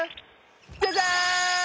ジャジャン！